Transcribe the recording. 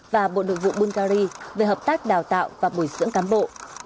và bộ đội vụ bulgari về hợp tác đào tạo và buổi dưỡng cán bộ